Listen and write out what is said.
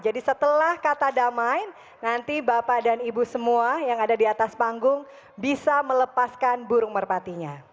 jadi setelah kata damai nanti bapak dan ibu semua yang ada di atas panggung bisa melepaskan burung merpatinya